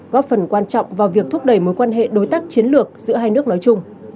góp phần quan trọng vào việc thúc đẩy mối quan hệ đối tác chiến lược giữa hai nước nói chung